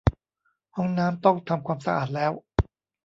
ห้องน้ำต้องทำความสะอาดแล้ว